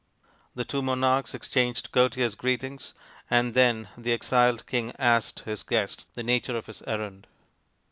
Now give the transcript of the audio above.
The two monarchs exchanged courteous greetings, and then the exiled king asked his guest the nature of his errand.